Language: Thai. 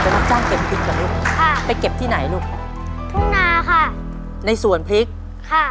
รับจ้างเก็บพริกเหรอลูกค่ะไปเก็บที่ไหนลูกทุ่งนาค่ะในสวนพริกค่ะ